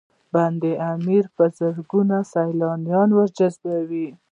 بند امیر په زرګونه سیلانیان ورجذبوي